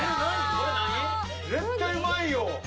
絶対うまいよ。